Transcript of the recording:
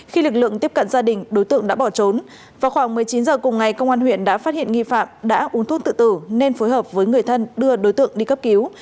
khi lực lượng tiếp cận gia đình đối tượng đã bỏ trốn vào khoảng một mươi chín h cùng ngày công an huyện đã phát hiện nghi phạm đã uống thuốc tự tử nên phối hợp với người thân đưa đối tượng đi cấp cứu